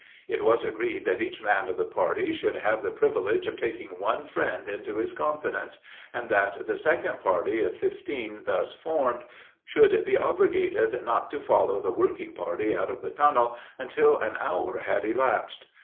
It was agreed that each man of the party should have the privilege of taking one friend into his confidence, and that the second party of fifteen thus formed should be obligated not to follow the working party out of the tunnel until an hour had elapsed.